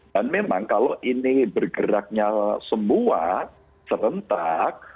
dan memang kalau ini bergeraknya semua serentak